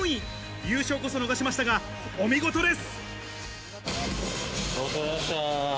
優勝こそ逃しましたが、お見事です！